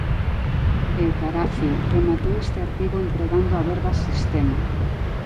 E, carafio, rematei este artigo empregando a verba "sistema".